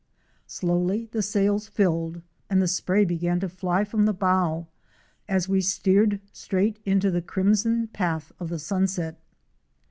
Slowly the sails filled, and the spray began to fly from the bow as we steered straight into the crimson path of the sunset.